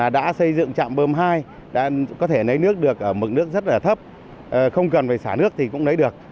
đã xây dựng trạm bơm hai có thể lấy nước được ở mực nước rất là thấp không cần phải xả nước thì cũng lấy được